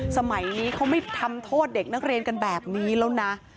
สมัยนี้เขาไม่ทำโทษเด็กนักเรียนกันแบบนี้แล้วนะ